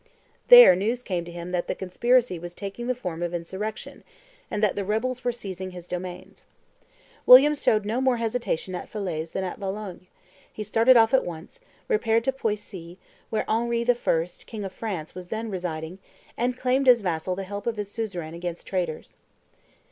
There news came to him that the conspiracy was taking the form of insurrection, and that the rebels were seizing his domains. William showed no more hesitation at Falaise than at Valognes; he started off at once, repaired to Poissy, where Henry I., king of France, was then residing, and claimed, as vassal, the help of his suzerain against traitors.